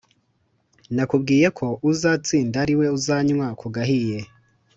Nakubwiye ko uzatsinda ariwe uzanywa kugahiye